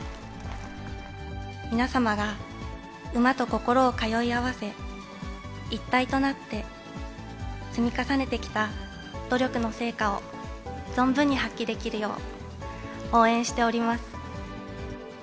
皆様が馬と心を通い合わせ、一体となって積み重ねてきた努力の成果を存分に発揮できるよう、応援しております。